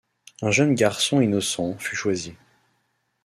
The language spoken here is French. Un jeune garçon innocent fut choisi.